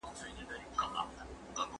برکت به ومومئ.